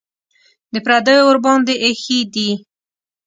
د پردیو ورباندې ایښي دي.